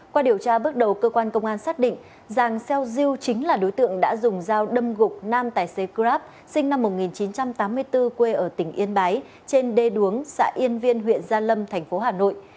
qua điều tra bước đầu cơ quan công an xác định giàng xeo diêu chính là đối tượng đã dùng dao đâm gục nam tài xế grab sinh năm một nghìn chín trăm tám mươi bốn quê ở tỉnh yên bái trên đê đuống xã yên viên huyện gia lâm thành phố hà nội